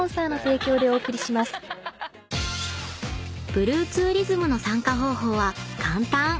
［ブルーツーリズムの参加方法は簡単］